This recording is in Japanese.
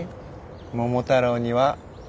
桃太郎には。